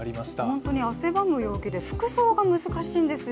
本当に汗ばむ陽気で、服装が難しいんですよ。